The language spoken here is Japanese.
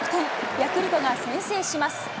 ヤクルトが先制します。